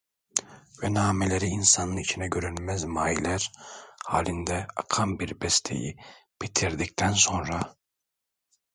Ve nağmeleri insanın içine görünmez mayiler halinde akan bir besteyi bitirdikten sonra: